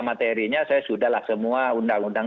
materinya saya sudah lah semua undang undang